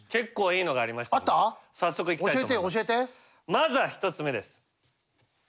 まずは１つ目です。